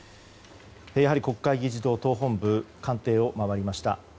やはり国会議事堂、党本部官邸を回りました。